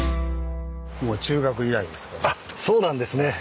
あっそうなんですね。